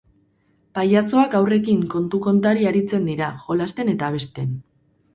Pailazoak haurrekin kontu-kontari aritzen dira, jolasten eta abesten.